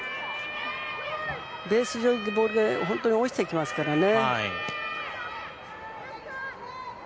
ベース上にボールが落ちてきますからね。